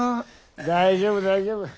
大丈夫大丈夫。